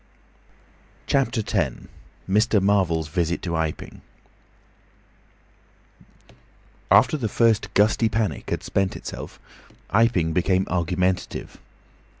CHAPTER X. MR. MARVEL'S VISIT TO IPING After the first gusty panic had spent itself Iping became argumentative.